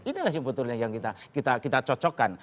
inilah yang sebetulnya yang kita coba